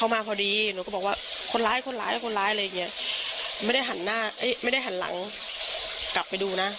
ไม่ได้หันหลังกลับไปดูนะ